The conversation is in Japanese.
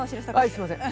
すいません。